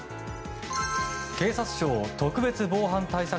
警察庁特別防犯対策